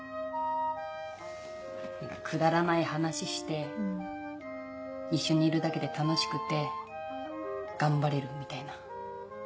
くだらない話して一緒にいるだけで楽しくて頑張れるみたいな。